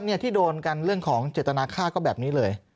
ที่โดนกันเรื่องของเจตนาค่าก็แบบนี้เลย